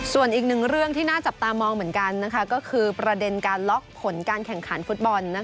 ส่วนอีกหนึ่งเรื่องที่น่าจับตามองเหมือนกันก็คือประเด็นการล็อกผลการแข่งขันฟุตบอล